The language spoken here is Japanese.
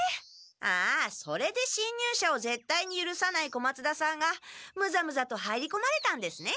ああそれでしんにゅうしゃをぜったいにゆるさない小松田さんがむざむざと入りこまれたんですね。